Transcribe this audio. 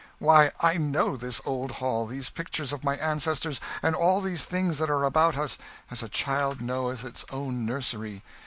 Why, I know this old hall, these pictures of my ancestors, and all these things that are about us, as a child knoweth its own nursery.